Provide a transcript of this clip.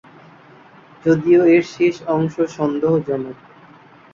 যদিও এর শেষ অংশ সন্দেহ জনক।